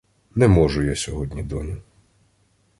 Не можу я сьогодні, доню.